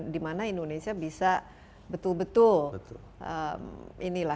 dimana indonesia bisa betul betul inilah